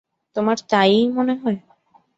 তোমার তাই-ই মনে হয়?